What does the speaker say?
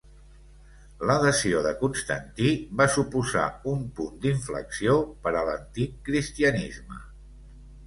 L'adhesió de Constantí va suposar un punt d'inflexió per a l'antic cristianisme.